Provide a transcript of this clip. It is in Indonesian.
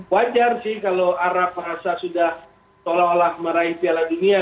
wajar sih kalau arab merasa sudah seolah olah meraih piala dunia